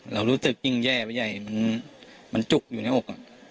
เรารู้สึกยิ่งแย่ไว้ใยมันมันจุกอยู่ในอกอ่ะ